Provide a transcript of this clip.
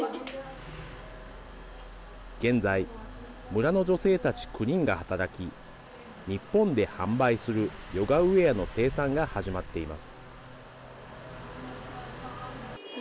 現在、村の女性たち９人が働き日本で販売するヨガウエアの生産が始まっています。